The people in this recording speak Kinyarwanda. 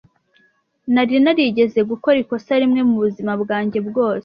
Nari narigeze gukora ikosa rimwe mubuzima bwanjye bwose.